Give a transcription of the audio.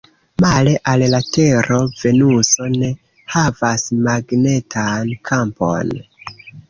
Male al la Tero, Venuso ne havas magnetan kampon.